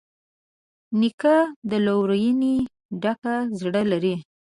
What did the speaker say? نیکه د لورینې ډک زړه لري.